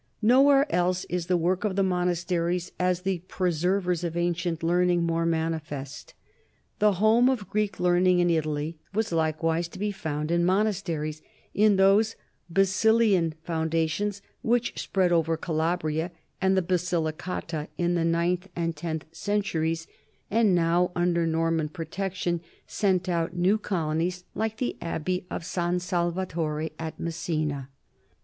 Nowhere else is the work of the monasteries as the preservers of ancient learning more manifest. The home of Greek learning in Italy was likewise to be found in monasteries, in those Basilian foundations which had spread over Calabria and the Basilicata in the ninth and tenth centuries and now under Norman protection sent out new colonies like the abbey of San Salvatore at Messina.